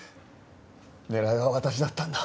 狙いは私だったんだ。